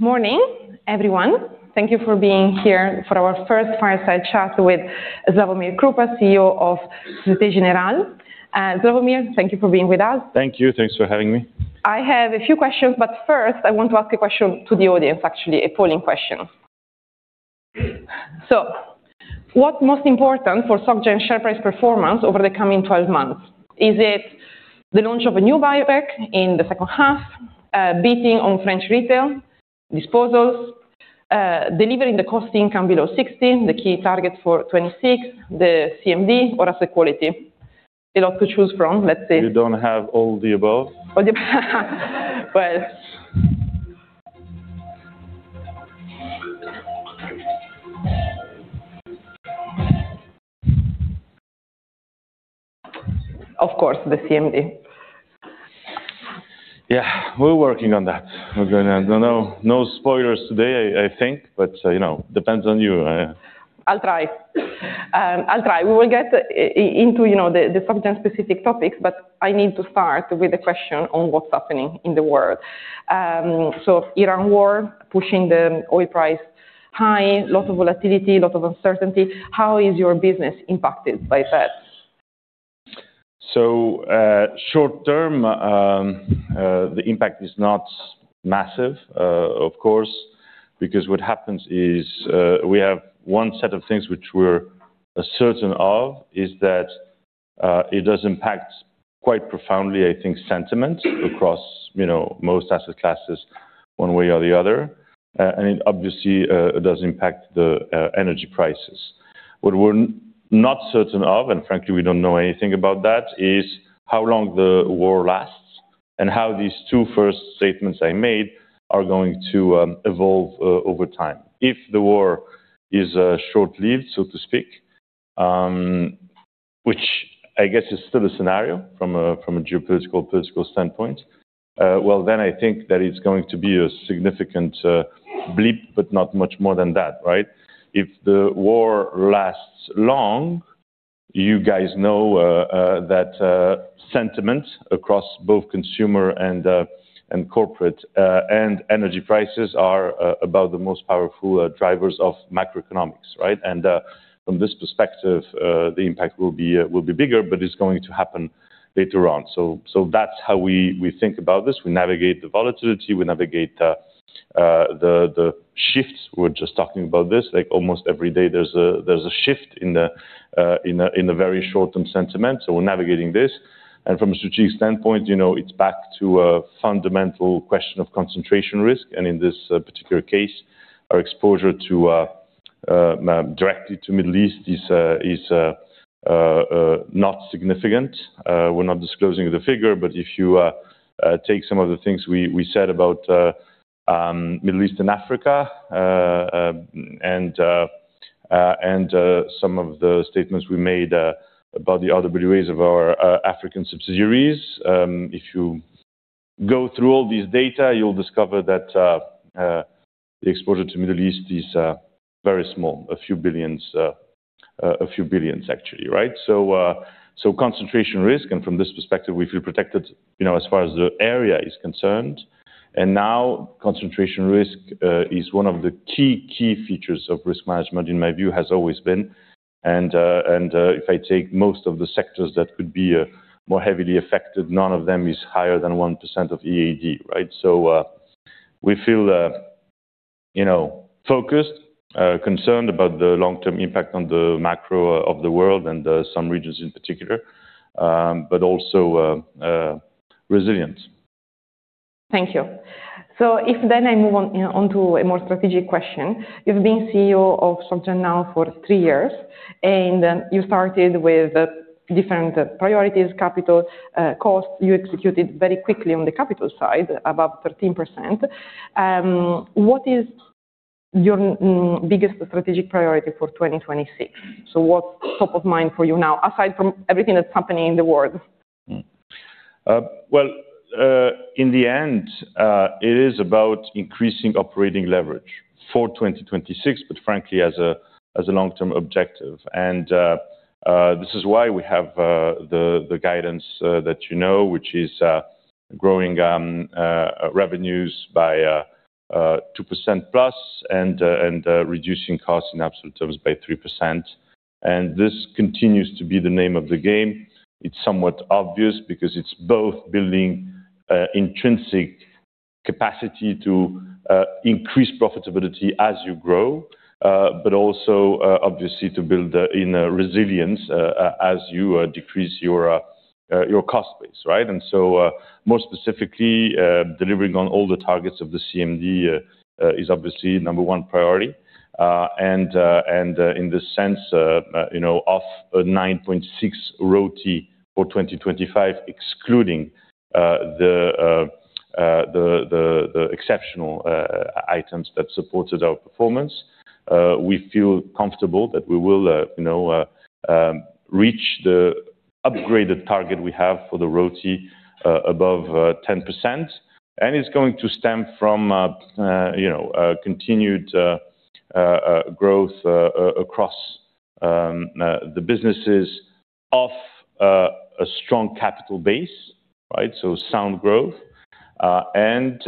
Morning, everyone. Thank you for being here for our first fireside chat with Slawomir Krupa, CEO of Société Générale. Slawomir, thank you for being with us. Thank you. Thanks for having me. I have a few questions, but first I want to ask a question to the audience, actually, a polling question. What's most important for SocGen share price performance over the coming 12 months? Is it the launch of a new buyback in the second half, bidding on French retail disposals, delivering the cost/income below 16%, the key target for 2026, the CMD, or asset quality? A lot to choose from. Let's see. You don't have all the above? Well, of course, the CMD. Yeah, we're working on that. We're gonna. No, no spoilers today, I think. You know, depends on you. I'll try. We will get into, you know, the subject-specific topics, but I need to start with a question on what's happening in the world. Iran war pushing the oil price high, lot of volatility, lot of uncertainty. How is your business impacted by that? Short-term, the impact is not massive, of course, because what happens is, we have one set of things which we're certain of, is that, it does impact quite profoundly, I think, sentiment across, you know, most asset classes one way or the other. It obviously does impact the energy prices. What we're not certain of, and frankly, we don't know anything about that, is how long the war lasts and how these two first statements I made are going to evolve over time. If the war is short-lived, so to speak, which I guess is still a scenario from a geopolitical, political standpoint, well, then I think that it's going to be a significant blip, but not much more than that, right? If the war lasts long, you guys know that sentiment across both consumer and corporate and energy prices are about the most powerful drivers of macroeconomics, right? From this perspective, the impact will be bigger, but it's going to happen later on. That's how we think about this. We navigate the volatility, we navigate the shifts. We're just talking about this, like almost every day there's a shift in a very short-term sentiment. We're navigating this. From a strategic standpoint, you know, it's back to a fundamental question of concentration risk. In this particular case, our exposure directly to Middle East is not significant. We're not disclosing the figure, but if you take some of the things we said about Middle East and Africa, and some of the statements we made about the RWAs of our African subsidiaries, if you go through all these data, you'll discover that the exposure to Middle East is very small, a few billion EUR, actually, right? Concentration risk, and from this perspective, we feel protected, you know, as far as the area is concerned. Now concentration risk is one of the key features of risk management, in my view, has always been. If I take most of the sectors that could be more heavily affected, none of them is higher than 1% of EAD, right? We feel you know focused concerned about the long-term impact on the macro of the world and some regions in particular, but also resilient. Thank you. If then I move on, you know, onto a more strategic question. You've been CEO of SocGen now for three years, and you started with different priorities, capital, costs. You executed very quickly on the capital side, above 13%. What is your biggest strategic priority for 2026? What's top of mind for you now, aside from everything that's happening in the world? In the end, it is about increasing operating leverage for 2026, but frankly, as a long-term objective. This is why we have the guidance that you know, which is growing revenues by 2% plus and reducing costs in absolute terms by 3%. This continues to be the name of the game. It's somewhat obvious because it's both building intrinsic capacity to increase profitability as you grow, but also obviously to build the inner resilience as you decrease your cost base, right? More specifically, delivering on all the targets of the CMD is obviously number one priority. in this sense, you know, of 9.6 ROTE for 2025, excluding the exceptional items that supported our performance, we feel comfortable that we will, you know, reach the upgraded target we have for the ROTE above 10%. It's going to stem from, you know, continued growth across the business off a strong capital base, right? sound growth, and,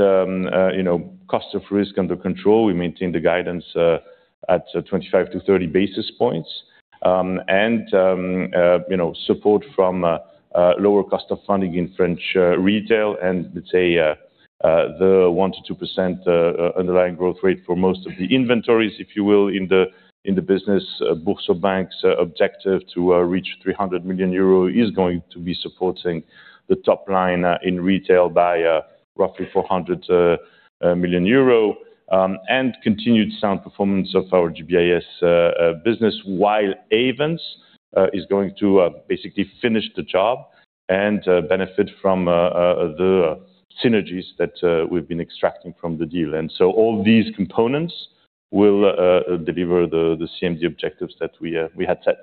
you know, cost of risk under control. We maintain the guidance at 25-30 basis points. You know, support from lower cost of funding in French retail and let's say the 1%-2% underlying growth rate for most of the inventories, if you will, in the business. BoursoBank objective to reach 300 million euro is going to be supporting the top line in retail by roughly 400 million euro, and continued sound performance of our GBIS business, while Ayvens is going to basically finish the job and benefit from the synergies that we've been extracting from the deal. All these components will deliver the CMD objectives that we had set.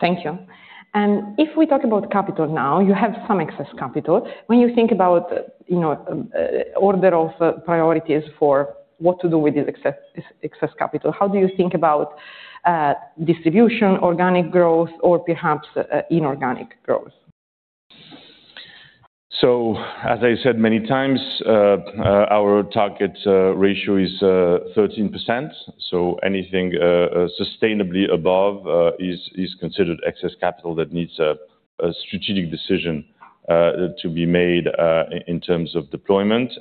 Thank you. If we talk about capital now, you have some excess capital. When you think about, you know, order of priorities for what to do with this excess capital, how do you think about distribution, organic growth, or perhaps inorganic growth? As I said many times, our target ratio is 13%. Anything sustainably above is considered excess capital that needs a strategic decision to be made in terms of deployment.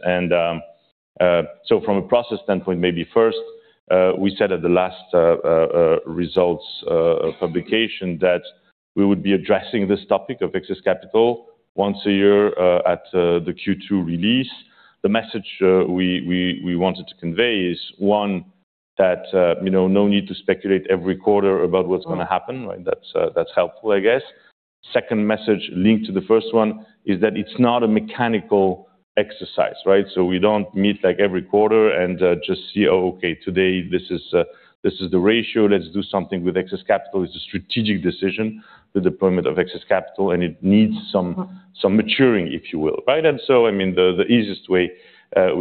From a process standpoint, maybe first, we said at the last results publication that we would be addressing this topic of excess capital once a year at the Q2 release. The message we wanted to convey is, one, that you know, no need to speculate every quarter about what's gonna happen, right? That's helpful, I guess. Second message linked to the first one is that it's not a mechanical exercise, right? We don't meet like every quarter and, just see, "Oh, okay, today this is the ratio. Let's do something with excess capital." It's a strategic decision, the deployment of excess capital, and it needs some- Mm-hmm Some maturing, if you will, right? I mean, the easiest way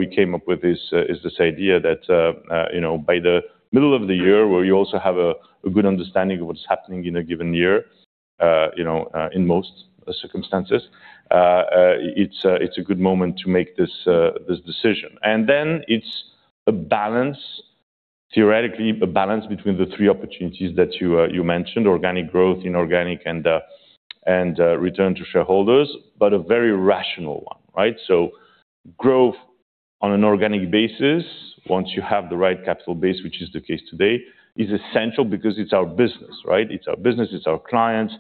we came up with is this idea that, you know, by the middle of the year, where you also have a good understanding of what's happening in a given year, you know, in most circumstances, it's a good moment to make this decision. It's a balance, theoretically, a balance between the three opportunities that you mentioned, organic growth, inorganic, and return to shareholders, but a very rational one, right? Growth on an organic basis, once you have the right capital base, which is the case today, is essential because it's our business, right? It's our business, it's our clients.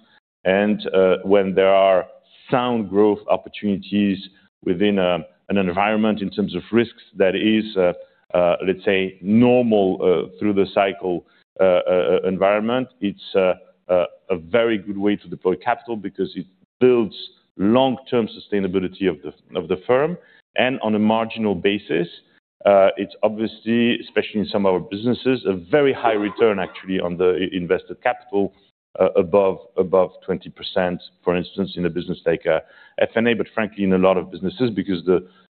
When there are sound growth opportunities within an environment in terms of risks that is, let's say, normal, through the cycle environment, it's a very good way to deploy capital because it builds long-term sustainability of the firm. On a marginal basis, it's obviously, especially in some of our businesses, a very high return actually on the invested capital, above 20%, for instance, in a business like F&A, but frankly, in a lot of businesses, because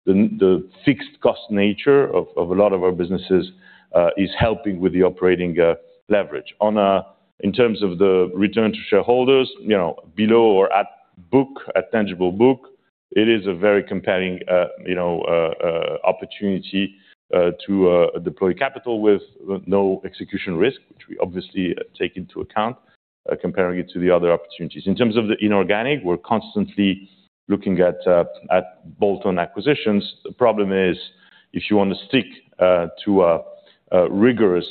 the fixed cost nature of a lot of our businesses is helping with the operating leverage. On a... In terms of the return to shareholders, you know, below or at book, at tangible book, it is a very compelling, you know, opportunity to deploy capital with no execution risk, which we obviously take into account, comparing it to the other opportunities. In terms of the inorganic, we're constantly looking at bolt-on acquisitions. The problem is, if you want to stick to a rigorous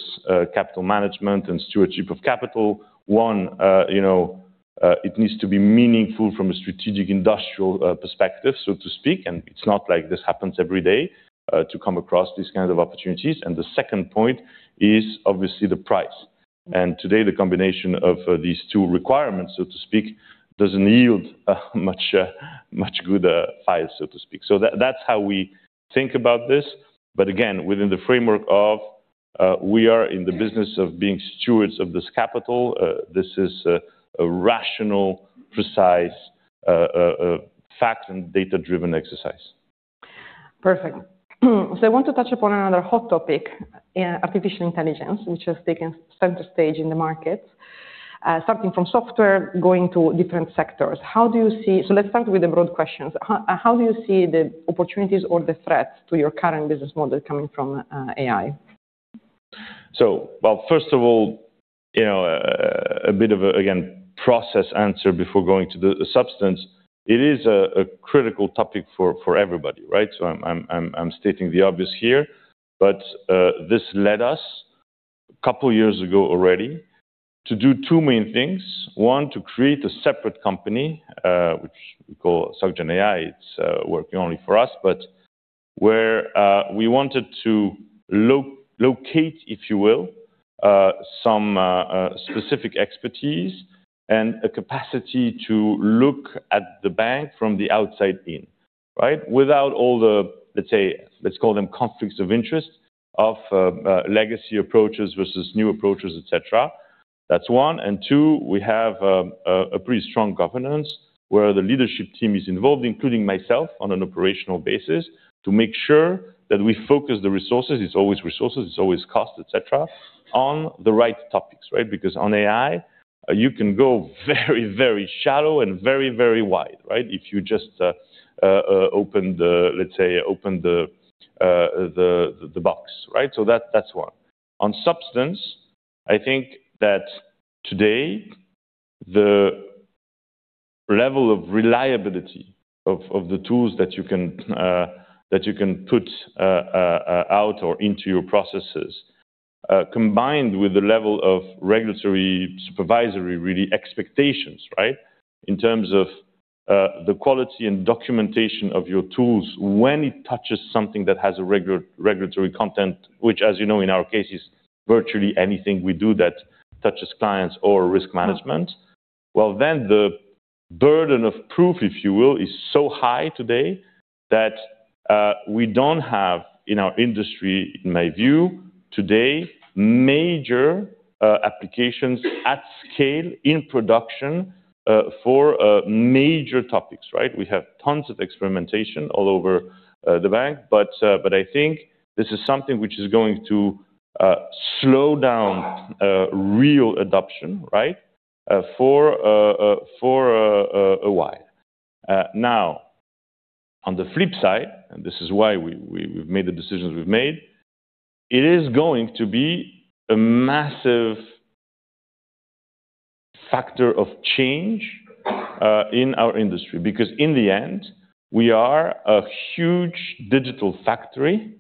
capital management and stewardship of capital, one, you know, it needs to be meaningful from a strategic industrial perspective, so to speak, and it's not like this happens every day to come across these kinds of opportunities. The second point is obviously the price. Today, the combination of these two requirements, so to speak, doesn't yield a much good pile, so to speak. That, that's how we think about this. Again, within the framework of, we are in the business of being stewards of this capital, this is a rational, precise, fact and data-driven exercise. Perfect. I want to touch upon another hot topic in artificial intelligence, which has taken center stage in the market, starting from software, going to different sectors. Let's start with the broad questions. How do you see the opportunities or the threats to your current business model coming from AI? Well, first of all, you know, a bit of a, again, process answer before going to the substance. It is a critical topic for everybody, right? I'm stating the obvious here, but this led us a couple of years ago already to do two main things. One, to create a separate company, which we call SocGen AI. It's working only for us, but where we wanted to locate, if you will, some specific expertise and a capacity to look at the bank from the outside in, right? Without all the, let's say, let's call them conflicts of interest of legacy approaches versus new approaches, etc. That's one. Two, we have a pretty strong governance where the leadership team is involved, including myself, on an operational basis, to make sure that we focus the resources. It's always resources, it's always cost, etc, on the right topics, right? Because on AI, you can go very, very shallow and very, very wide, right? If you just, let's say, open the box, right? That's one. On substance, I think that today the level of reliability of the tools that you can put out or into your processes, combined with the level of regulatory supervisory, really expectations, right? In terms of the quality and documentation of your tools when it touches something that has a regulatory content, which, as you know, in our case is virtually anything we do that touches clients or risk management, well, then the burden of proof, if you will, is so high today that we don't have in our industry, in my view today, major applications at scale in production for major topics, right? We have tons of experimentation all over the bank. I think this is something which is going to slow down real adoption, right, for a while. Now on the flip side, this is why we've made the decisions we've made. It is going to be a massive factor of change in our industry, because in the end, we are a huge digital factory,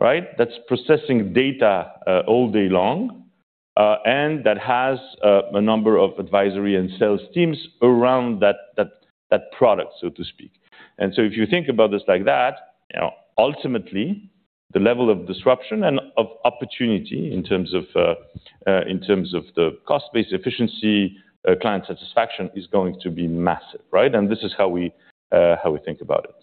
right, that's processing data all day long, and that has a number of advisory and sales teams around that product, so to speak. If you think about this like that, you know, ultimately the level of disruption and of opportunity in terms of the cost-based efficiency, client satisfaction is going to be massive, right? This is how we think about it.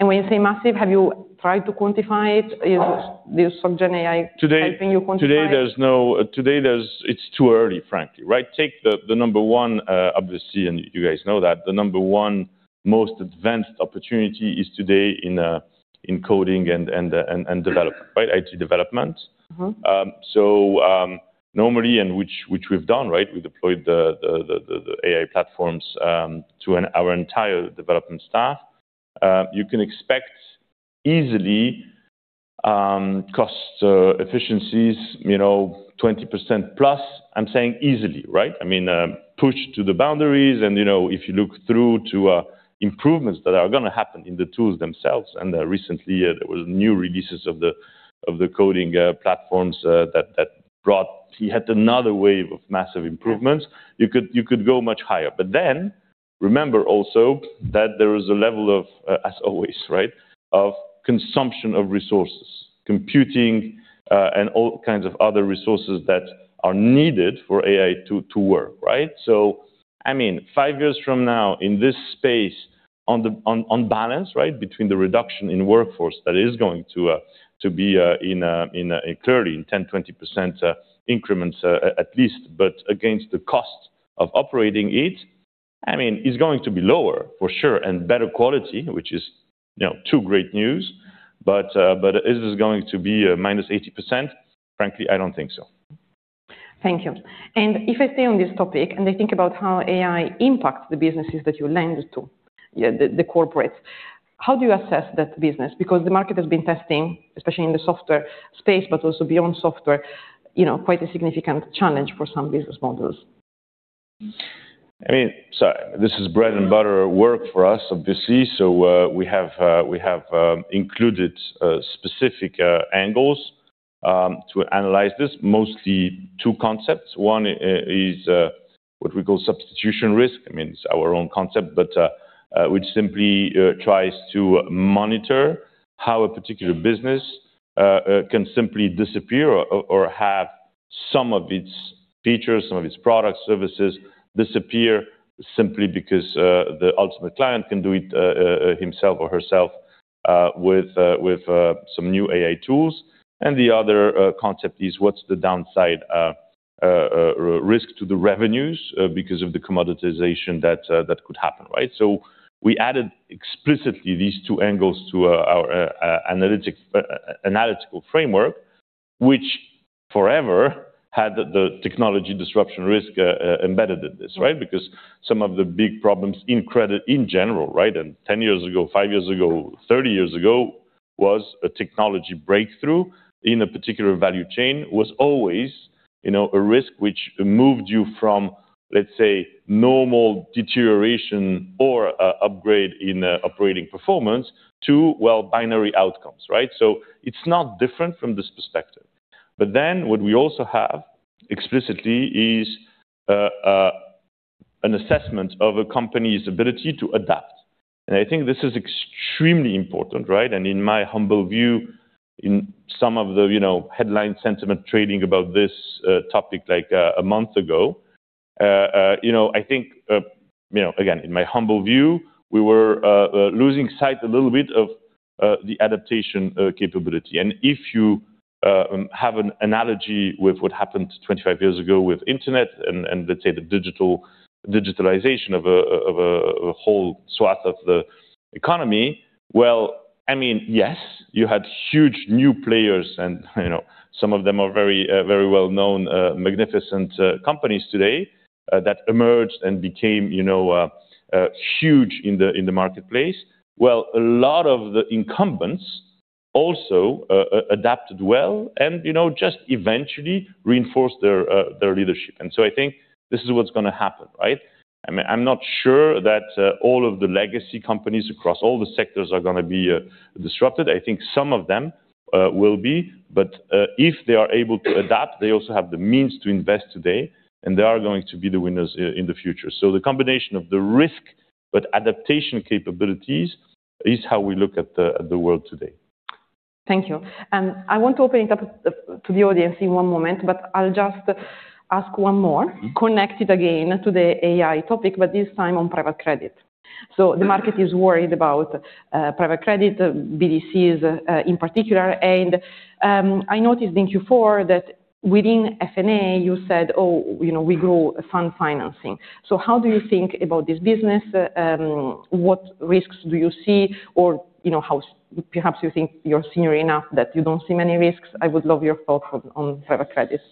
When you say massive, have you tried to quantify it? Is this SocGen AI helping you quantify it? Today it's too early, frankly, right? Take the number one, obviously, and you guys know that the number one most advanced opportunity is today in coding and development, right? IT development. Mm-hmm. Normally and which we've done, right? We deployed the AI platforms to our entire development staff. You can expect easily cost efficiencies, you know, 20%+. I'm saying easily, right? I mean, push to the boundaries and, you know, if you look through to improvements that are gonna happen in the tools themselves. Recently there was new releases of the coding platforms that brought. We had another wave of massive improvements. You could go much higher. Remember also that there is a level of, as always, right, of consumption of resources, computing, and all kinds of other resources that are needed for AI to work, right? I mean, five years from now in this space on balance, right, between the reduction in workforce that is going to be in 10, 20% increments, at least, but against the cost of operating it, I mean, it's going to be lower for sure, and better quality, which is, you know, two great news. Is this going to be a minus 80%? Frankly, I don't think so. Thank you. If I stay on this topic and I think about how AI impacts the businesses that you lend to, yeah, the corporates, how do you assess that business? Because the market has been testing, especially in the software space, but also beyond software, you know, quite a significant challenge for some business models. I mean, this is bread and butter work for us, obviously. We have included specific angles to analyze this, mostly two concepts. One is what we call substitution risk. I mean, it's our own concept, but which simply tries to monitor how a particular business can simply disappear or have some of its features, some of its product services disappear simply because the ultimate client can do it himself or herself with some new AI tools. The other concept is what's the downside risk to the revenues because of the commoditization that could happen, right? We added explicitly these two angles to our analytical framework, which forever had the technology disruption risk embedded in this, right? Because some of the big problems in credit in general, right, and 10 years ago, five years ago, 30 years ago, was a technology breakthrough in a particular value chain, was always, you know, a risk which moved you from, let's say, normal deterioration or upgrade in operating performance to, well, binary outcomes, right? It's not different from this perspective. What we also have explicitly is an assessment of a company's ability to adapt. I think this is extremely important, right? In my humble view, in some of the, you know, headline sentiment trading about this topic like a month ago, you know, I think, you know, again, in my humble view, we were losing sight a little bit of the adaptation capability. If you have an analogy with what happened 25 years ago with internet and let's say the digitalization of a whole swath of the economy, well, I mean, yes, you had huge new players and, you know, some of them are very, very well known magnificent companies today that emerged and became, you know, huge in the marketplace. Well, a lot of the incumbents also adapted well and, you know, just eventually reinforced their leadership. I think this is what's gonna happen, right? I mean, I'm not sure that all of the legacy companies across all the sectors are gonna be disrupted. I think some of them will be. If they are able to adapt, they also have the means to invest today, and they are going to be the winners in the future. The combination of the risk but adaptation capabilities is how we look at the world today. Thank you. I want to open it up to the audience in one moment, but I'll just ask one more connected again to the AI topic, but this time on private credit. The market is worried about private credit, BDCs, in particular. I noticed in Q4 that within F&A, you said, "Oh, you know, we grow fund finance." How do you think about this business? What risks do you see? You know, how perhaps you think you're senior enough that you don't see many risks. I would love your thoughts on private credits.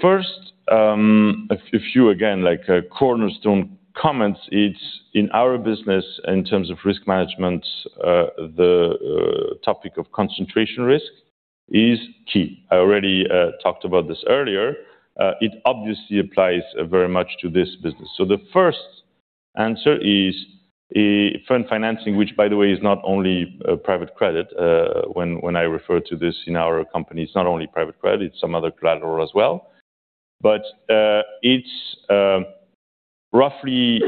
First, a few again, like, cornerstone comments. It's in our business in terms of risk management, the topic of concentration risk is key. I already talked about this earlier. It obviously applies very much to this business. The first answer is fund finance, which by the way, is not only private credit, when I refer to this in our company, it's not only private credit, it's some other collateral as well. But it's roughly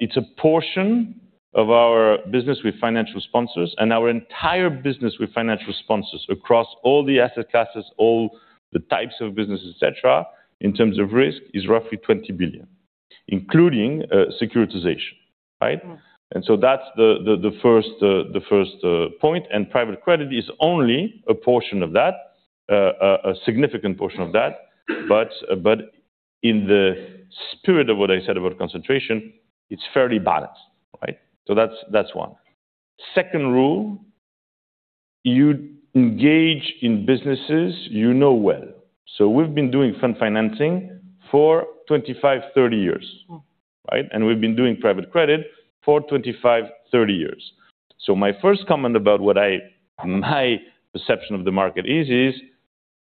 it's a portion of our business with financial sponsors and our entire business with financial sponsors across all the asset classes, all the types of businesses, etc, in terms of risk, is roughly 20 billion, including securitization, right? Mm-hmm. That's the first point. Private credit is only a portion of that, a significant portion of that. But in the spirit of what I said about concentration, it's fairly balanced, right? That's one. Second rule, you engage in businesses you know well. We've been doing fund finance for 25, 30 years. Mm-hmm. Right? We've been doing private credit for 25-30 years. My first comment about my perception of the market is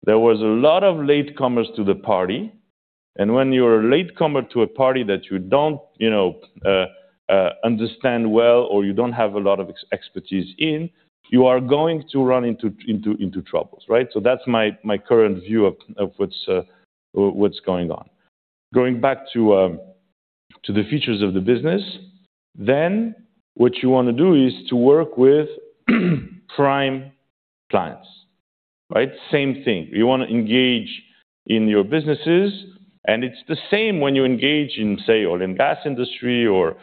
there was a lot of latecomers to the party, and when you're a latecomer to a party that you don't, you know, understand well or you don't have a lot of expertise in, you are going to run into troubles, right? That's my current view of what's going on. Going back to the features of the business, then what you wanna do is to work with prime clients, right? Same thing. You wanna engage in your businesses, and it's the same when you engage in, say, oil and gas industry or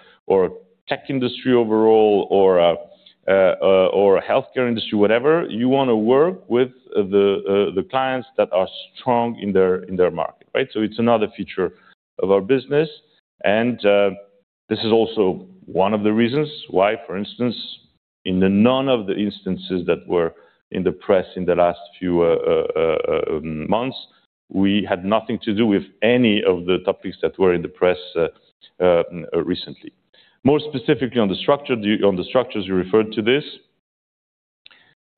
tech industry overall, or healthcare industry, whatever. You wanna work with the clients that are strong in their market, right? It's another feature of our business, and this is also one of the reasons why, for instance, in none of the instances that were in the press in the last few months, we had nothing to do with any of the topics that were in the press recently. More specifically on the structures you referred to, this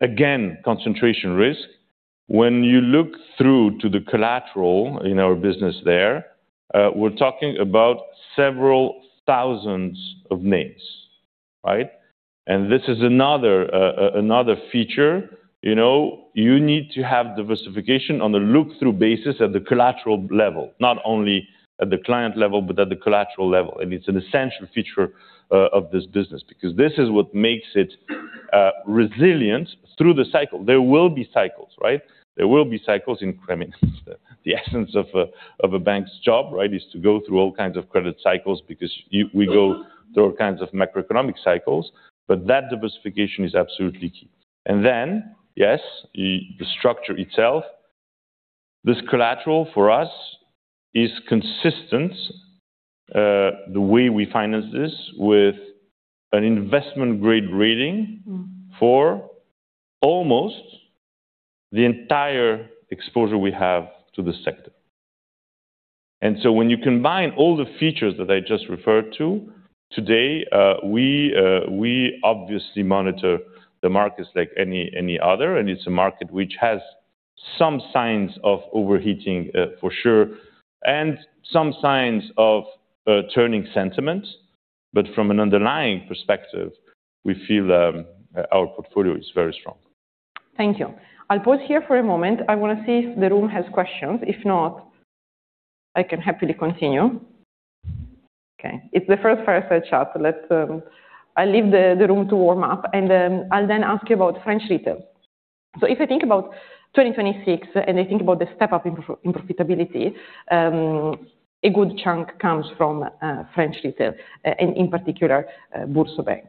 again, concentration risk. When you look through to the collateral in our business there, we're talking about several thousands of names, right? This is another feature. You know, you need to have diversification on the look-through basis at the collateral level, not only at the client level, but at the collateral level. It's an essential feature of this business because this is what makes it resilient through the cycle. There will be cycles, right? There will be cycles in credit. The essence of a bank's job, right, is to go through all kinds of credit cycles because we go through all kinds of macroeconomic cycles, but that diversification is absolutely key. Yes, the structure itself, this collateral for us is consistent, the way we finance this with an investment-grade rating. Mm-hmm... for almost the entire exposure we have to the sector. When you combine all the features that I just referred to today, we obviously monitor the markets like any other, and it's a market which has some signs of overheating, for sure, and some signs of turning sentiment. From an underlying perspective, we feel our portfolio is very strong. Thank you. I'll pause here for a moment. I wanna see if the room has questions. If not, I can happily continue. Okay, it's the first fireside up. Let's leave the room to warm up, and then I'll ask you about French retail. If I think about 2026 and I think about the step up in profitability, a good chunk comes from French retail, and in particular, BoursoBank.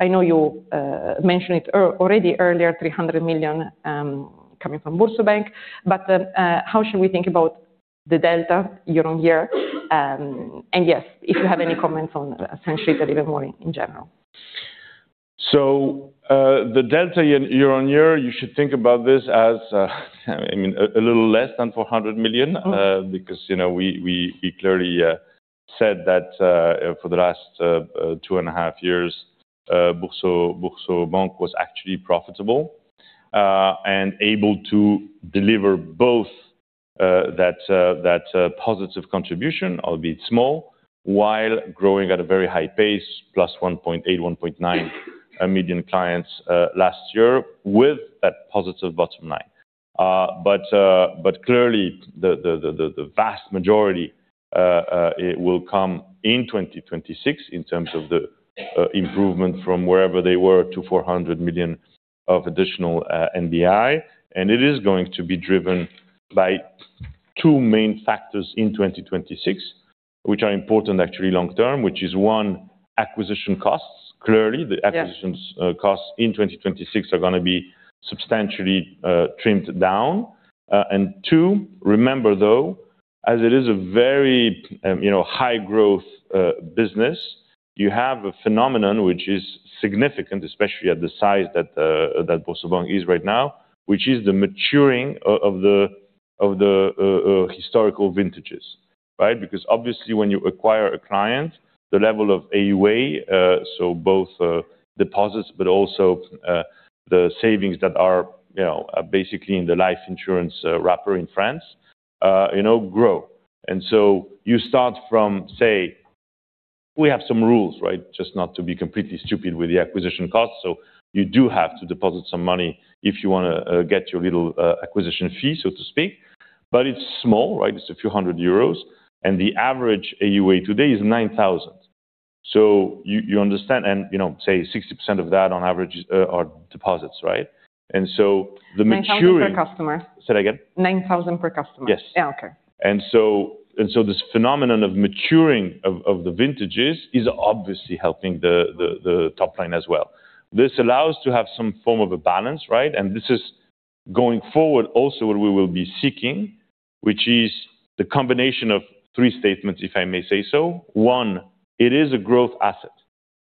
I know you mentioned it already earlier, 300 million coming from BoursoBank. How should we think about the delta year-over-year? Yes, if you have any comments on French retail even more in general. the delta year-on-year, you should think about this as, I mean, a little less than 400 million, because, you know, we clearly said that, for the last 2.5 years, BoursoBank was actually profitable, and able to deliver both, that positive contribution, albeit small, while growing at a very high pace, plus 1.8 million-1.9 million clients, last year with that positive bottom line. Clearly, the vast majority will come in 2026 in terms of the improvement from wherever they were to 400 million of additional NBI. It is going to be driven by two main factors in 2026, which are important actually long term, which is, one, acquisition costs. Clearly, the acquisition costs in 2026 are gonna be substantially trimmed down. And two, remember, though, as it is a very, you know, high growth business, you have a phenomenon which is significant, especially at the size that BoursoBank is right now, which is the maturing of the historical vintages, right? Because obviously, when you acquire a client, the level of AUA, so both deposits, but also the savings that are, you know, basically in the life insurance wrapper in France, you know, grow. You start from, say, we have some rules, right? Just not to be completely stupid with the acquisition costs. So you do have to deposit some money if you wanna get your little acquisition fee, so to speak. But it's small, right? It's a few hundred EUR, and the average AUA today is 9,000 EUR. You understand, and you know, say 60% of that on average are deposits, right? The maturing- 9,000 per customer. Say that again. 9000 per customer. Yes. Yeah. Okay. This phenomenon of maturing of the vintages is obviously helping the top line as well. This allows to have some form of a balance, right? This is going forward also what we will be seeking, which is the combination of three statements, if I may say so. One, it is a growth asset,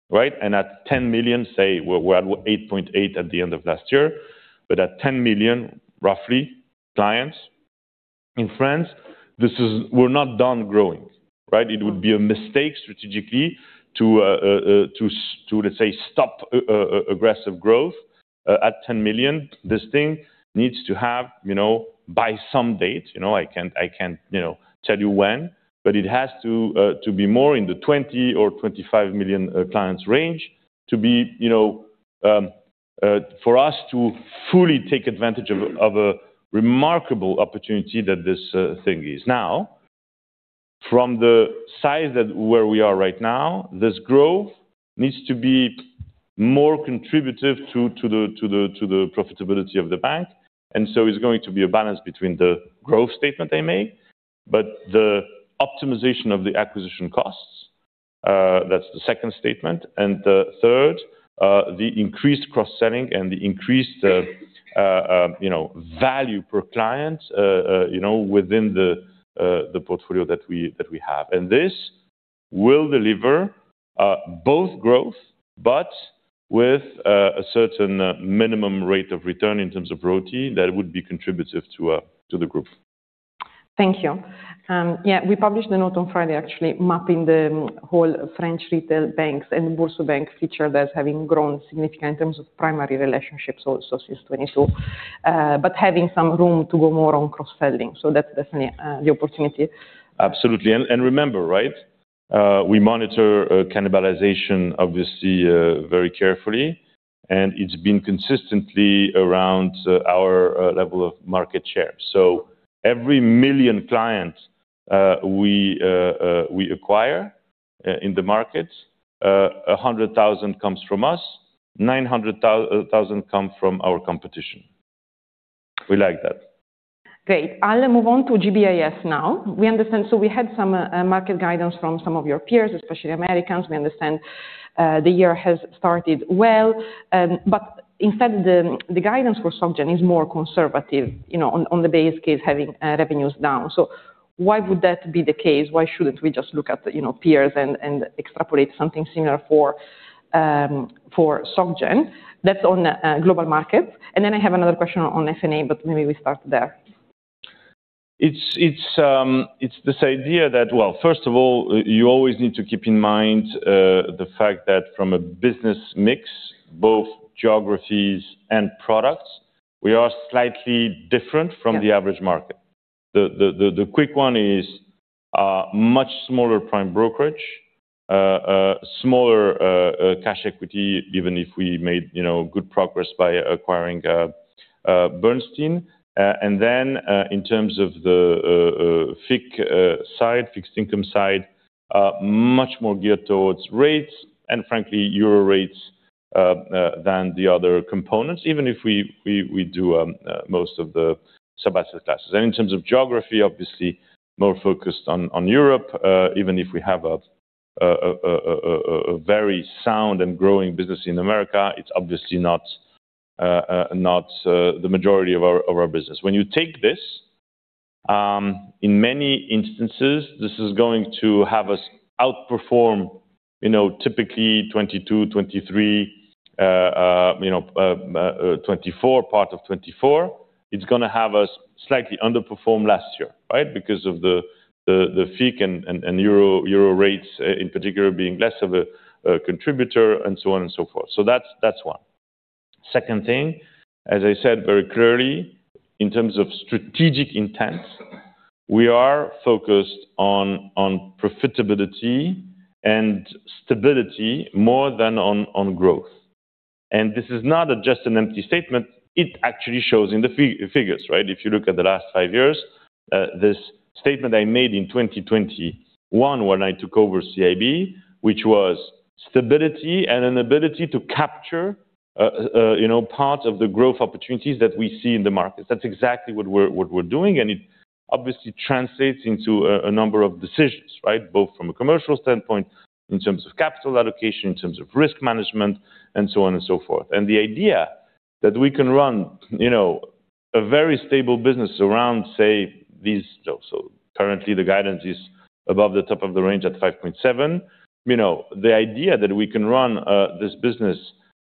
right? At 10 million, say we're at 8.8 at the end of last year, but at 10 million, roughly, clients in France. We're not done growing, right? It would be a mistake strategically to, let's say, stop aggressive growth at 10 million. This thing needs to have, you know, by some date, you know, I can't you know tell you when, but it has to be more in the 20 or 25 million clients range to be, you know, for us to fully take advantage of a remarkable opportunity that this thing is. Now, from the size that where we are right now, this growth needs to be more contributive to the profitability of the bank. It's going to be a balance between the growth statement I made, but the optimization of the acquisition costs. That's the second statement. The third, the increased cross-selling and the increased, you know, value per client, you know, within the portfolio that we have. This will deliver both growth, but with a certain minimum rate of return in terms of ROTE that would be contributive to the group. Thank you. We published a note on Friday actually mapping the whole French Retail Banking and BoursoBank feature that's having grown significant in terms of primary relationships also since 2022, but having some room to go more on cross-selling. That's definitely the opportunity. Absolutely. Remember, right, we monitor cannibalization obviously very carefully, and it's been consistently around our level of market share. Every 1,000,000 clients we acquire in the market, 100,000 comes from us, 900,000 come from our competition. We like that. Great. I'll move on to GBIS now. We understand. We had some market guidance from some of your peers, especially Americans. We understand the year has started well, but instead the guidance for SocGen is more conservative, you know, on the base case having revenues down. Why would that be the case? Why shouldn't we just look at you know, peers and extrapolate something similar for SocGen? That's on global markets. Then I have another question on F&A, but maybe we start there. It's this idea that, well, first of all, you always need to keep in mind the fact that from a business mix, both geographies and products, we are slightly different from the average market. The quick one is a much smaller prime brokerage, a smaller cash equity, even if we made, you know, good progress by acquiring Bernstein. In terms of the FIC side, fixed income side, much more geared towards rates and frankly, euro rates than the other components, even if we do most of the sub-asset classes. In terms of geography, obviously more focused on Europe, even if we have a very sound and growing business in America, it's obviously not the majority of our business. When you take this, in many instances, this is going to have us outperform, you know, typically 2022, 2023, you know, 2024, part of 2024. It's gonna have us slightly underperform last year, right? Because of the fee and euro rates in particular being less of a contributor and so on and so forth. That's one. Second thing, as I said very clearly, in terms of strategic intent, we are focused on profitability and stability more than on growth. This is not just an empty statement. It actually shows in the figures, right? If you look at the last five years, this statement I made in 2021 when I took over CIB, which was stability and an ability to capture, you know, part of the growth opportunities that we see in the market. That's exactly what we're doing, and it obviously translates into a number of decisions, right? Both from a commercial standpoint, in terms of capital allocation, in terms of risk management, and so on and so forth. The idea that we can run, you know, a very stable business around these. Currently the guidance is above the top of the range at 5.7%. You know, the idea that we can run this business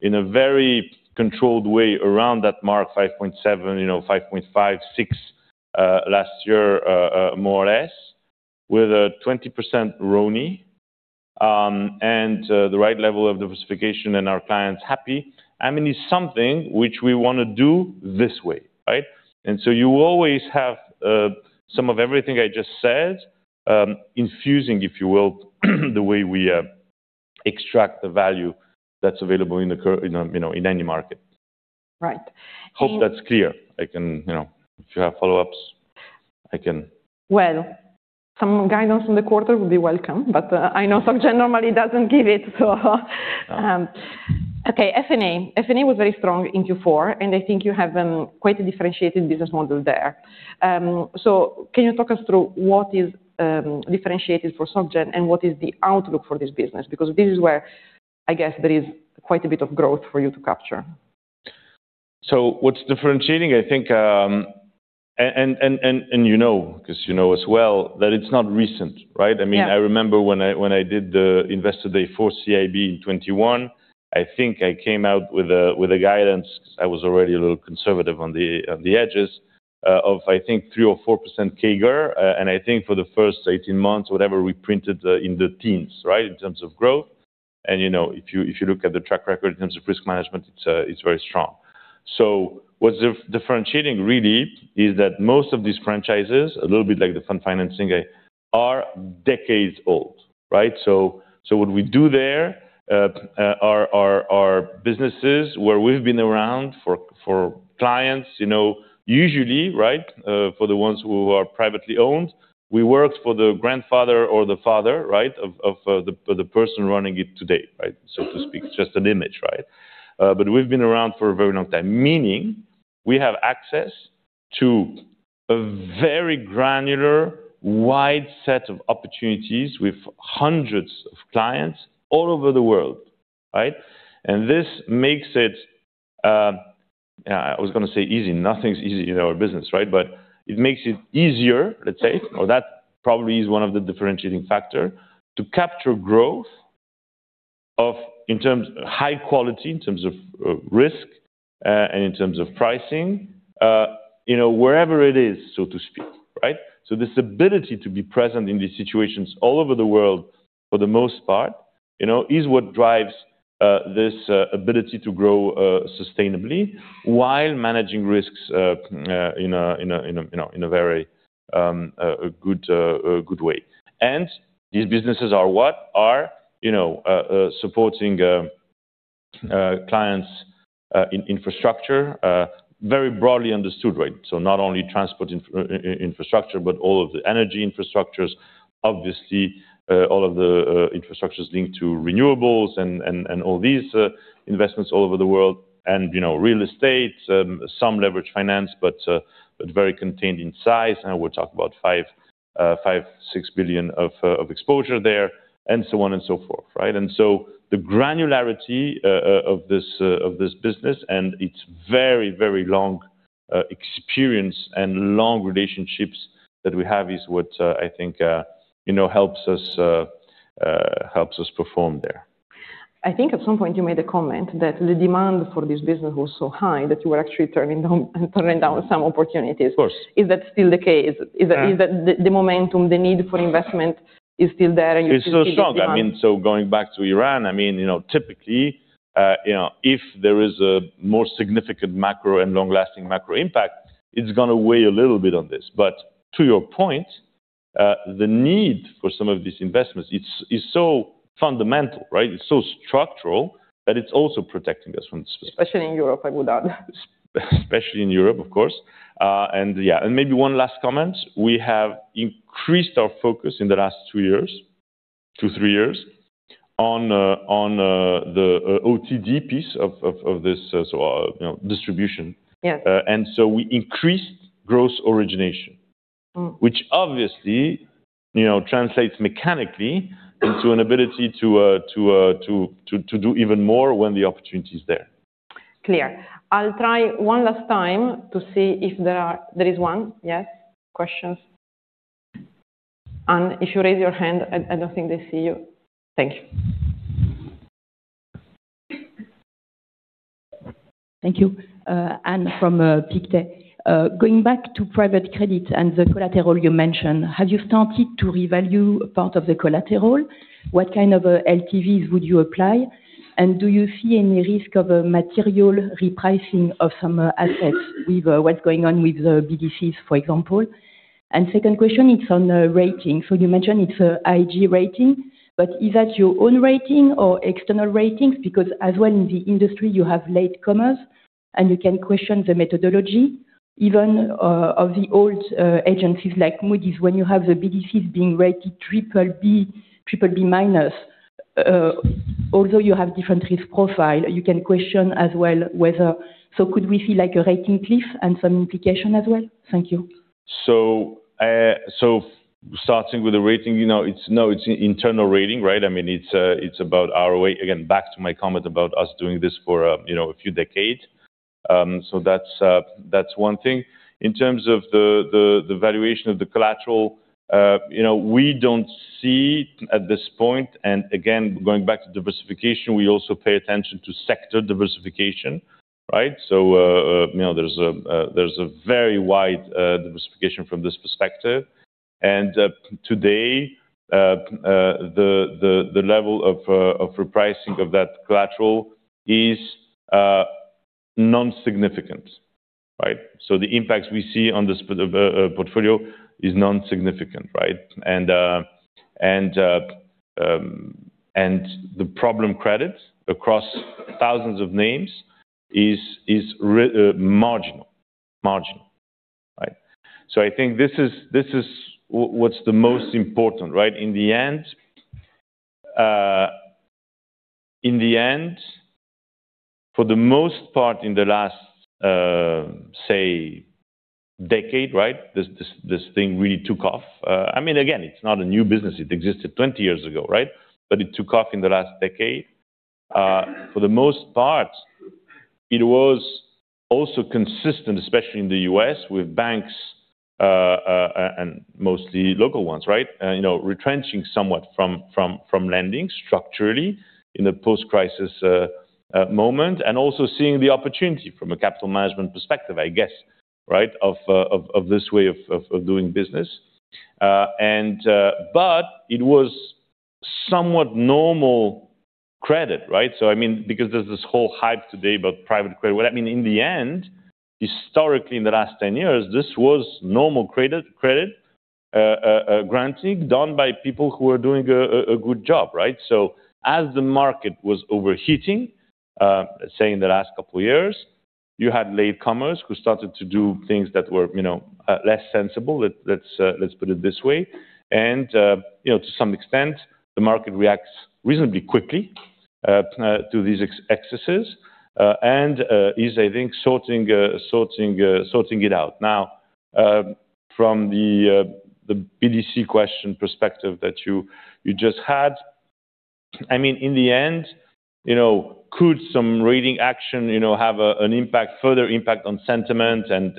in a very controlled way around that mark, 5.7%, you know, 5.56%, last year, more or less, with a 20% RONA, and the right level of diversification and our clients happy, I mean, is something which we wanna do this way, right? You always have some of everything I just said infusing, if you will, the way we extract the value that's available in any market. Right. Hope that's clear. If you have follow-ups, I can. Well, some guidance on the quarter would be welcome, but I know SocGen normally doesn't give it, so. Yeah. Okay, F&A. F&A was very strong in Q4, and I think you have quite a differentiated business model there. Can you talk us through what is differentiated for SocGen and what is the outlook for this business? Because this is where I guess there is quite a bit of growth for you to capture. What's differentiating, I think, you know, 'cause you know as well, that it's not recent, right? Yeah. I mean, I remember when I did the Investor Day for CIB in 2021, I think I came out with a guidance, 'cause I was already a little conservative on the edges of, I think, 3%-4% CAGR. I think for the first 18 months, whatever we printed in the teens, right, in terms of growth. You know, if you look at the track record in terms of risk management, it's very strong. What's differentiating really is that most of these franchises, a little bit like the fund finance, are decades old, right? What we do there are businesses where we've been around for clients, you know, usually, right, for the ones who are privately owned. We worked for the grandfather or the father, right, of the person running it today, right, so to speak. It's just an image, right? We've been around for a very long time, meaning we have access to a very granular, wide set of opportunities with hundreds of clients all over the world, right? This makes it. I was gonna say easy. Nothing's easy in our business, right? It makes it easier, let's say, or that probably is one of the differentiating factor, to capture growth of in terms of high quality, in terms of risk, and in terms of pricing, you know, wherever it is, so to speak, right? This ability to be present in these situations all over the world for the most part, you know, is what drives this ability to grow sustainably while managing risks in a very good way. These businesses are what? You know, supporting clients' infrastructure very broadly understood, right? Not only transport infrastructure, but all of the energy infrastructures, obviously, all of the infrastructures linked to renewables and all these investments all over the world and, you know, real estate, some leveraged finance, but very contained in size. We'll talk about 5 billion-6 billion of exposure there, and so on and so forth, right? The granularity of this business and its very, very long experience and long relationships that we have is what I think you know helps us perform there. I think at some point you made a comment that the demand for this business was so high that you were actually turning down some opportunities. Of course. Is that still the case? Uh- Is that the momentum, the need for investment is still there and you still see this demand? It's still strong. I mean, so going back to Iran, I mean, you know, typically, you know, if there is a more significant macro and long-lasting macro impact, it's gonna weigh a little bit on this. To your point, the need for some of these investments, it's so fundamental, right? It's so structural that it's also protecting us from- Especially in Europe, I would add. Especially in Europe, of course. Yeah. Maybe one last comment. We have increased our focus in the last two, three years on the OTD piece of this, so you know, distribution. Yes. We increased gross origination. Mm. which obviously, you know, translates mechanically into an ability to do even more when the opportunity is there. Clear. I'll try one last time to see if there is one. Yes. Questions. If you raise your hand, I don't think they see you. Thank you. Thank you. Anne from Pictet. Going back to private credit and the collateral you mentioned, have you started to revalue part of the collateral? What kind of LTVs would you apply? Do you see any risk of a material repricing of some assets with what's going on with the BDCs, for example? Second question, it's on the rating. You mentioned it's IG rating, but is that your own rating or external ratings? Because as well in the industry, you have latecomers, and you can question the methodology even of the old agencies like Moody's, when you have the BDCs being rated triple B, triple B-. Although you have different risk profile, you can question as well whether. Could we see like a rating cliff and some implication as well? Thank you. Starting with the rating, you know, it's internal rating, right? I mean, it's about our way. Again, back to my comment about us doing this for, you know, a few decades. That's one thing. In terms of the valuation of the collateral, you know, we don't see at this point, and again, going back to diversification, we also pay attention to sector diversification, right? You know, there's a very wide diversification from this perspective. Today, the level of repricing of that collateral is non-significant, right? The impacts we see on this portfolio is non-significant, right? The problem credits across thousands of names is marginal, right? I think this is what's the most important, right? In the end, for the most part in the last, say, decade, right, this thing really took off. I mean, again, it's not a new business. It existed 20 years ago, right? But it took off in the last decade. For the most part, it was also consistent, especially in the U.S., with banks and mostly local ones, right? You know, retrenching somewhat from lending structurally in a post-crisis moment, and also seeing the opportunity from a capital management perspective, I guess, right, of this way of doing business. But it was somewhat normal credit, right? I mean, because there's this whole hype today about private credit. What I mean, in the end, historically in the last 10 years, this was normal credit granting done by people who are doing a good job, right? As the market was overheating, say in the last couple of years, you had latecomers who started to do things that were, you know, less sensible. Let's put it this way. You know, to some extent, the market reacts reasonably quickly to these excesses, and is, I think, sorting it out. Now, from the BDC question perspective that you just had, I mean, in the end, you know, could some rating action, you know, have an impact, further impact on sentiment and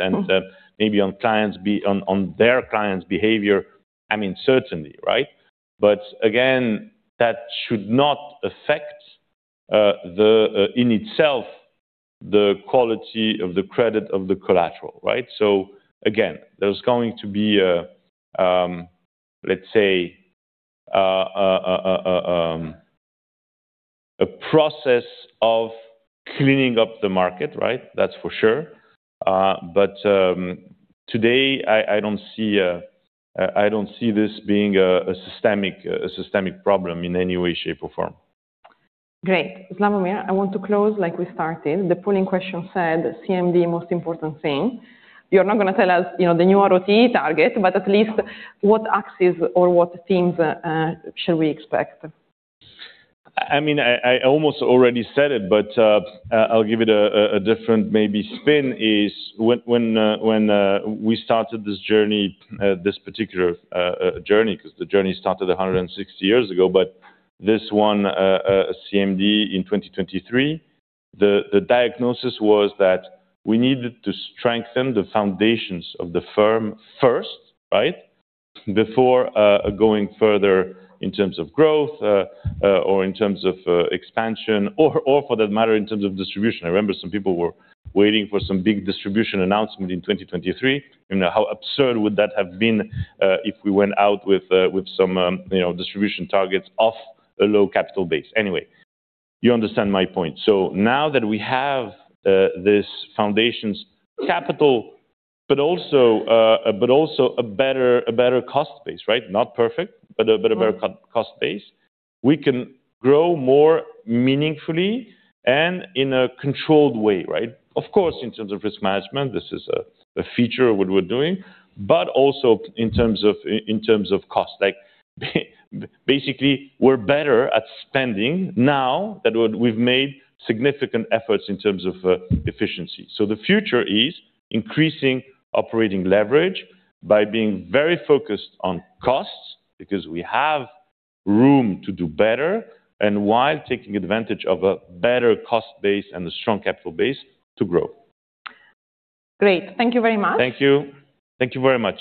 maybe on their clients' behavior? I mean, certainly, right? Again, that should not affect the in itself the quality of the credit of the collateral, right? Again, there's going to be a, let's say, a process of cleaning up the market, right? That's for sure. Today, I don't see this being a systemic problem in any way, shape, or form. Great. Slawomir, I want to close like we started. The polling question said CMD most important thing. You're not gonna tell us, you know, the new ROTE target, but at least what axes or what themes shall we expect? I mean, I almost already said it, but I'll give it a different maybe spin is when we started this journey, this particular journey 'cause the journey started 160 years ago, but this one, CMD in 2023, the diagnosis was that we needed to strengthen the foundations of the firm first, right, before going further in terms of growth or in terms of expansion or for that matter in terms of distribution. I remember some people were waiting for some big distribution announcement in 2023. You know, how absurd would that have been if we went out with some distribution targets off a low capital base? Anyway, you understand my point. Now that we have this foundation's capital, but also a better cost base, right? Not perfect, but a better cost base. We can grow more meaningfully and in a controlled way, right? Of course, in terms of risk management, this is a feature of what we're doing, but also in terms of cost. Like basically, we're better at spending now that we've made significant efforts in terms of efficiency. The future is increasing operating leverage by being very focused on costs because we have room to do better and while taking advantage of a better cost base and a strong capital base to grow. Great. Thank you very much. Thank you. Thank you very much.